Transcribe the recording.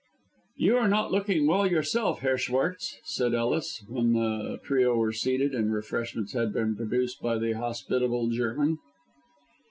"You are not looking well yourself, Herr Schwartz," said Ellis, when the trio were seated and refreshments had been produced by the hospitable German.